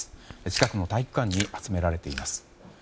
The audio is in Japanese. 近くの体育館に集められています。